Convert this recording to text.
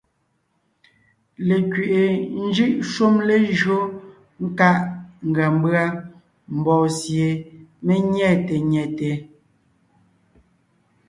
Lekwiʼi njʉ́ʼ shúm lejÿó nkáʼ ngʉa mbʉ́a mbɔɔ sie mé nyɛ̂te nyɛte.